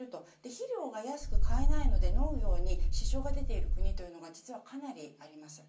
肥料が安く買えないので農業に支障が出ている国というのが実は、かなりあります。